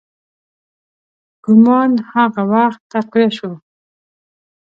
ګومان هغه وخت تقویه شو.